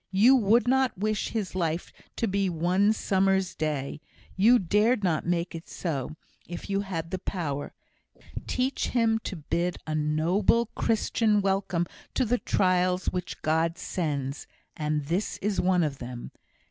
You would not wish his life to be one summer's day. You dared not make it so, if you had the power. Teach him to bid a noble, Christian welcome to the trials which God sends and this is one of them.